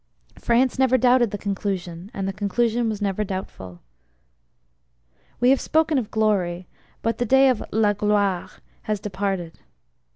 France never doubted the conclusion; and the conclusion was never doubtful. We have spoken of `glory,' but the day of ` la gloire ' has departed.